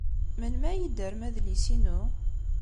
Melmi ara iyi-d-terrem adlis-inu?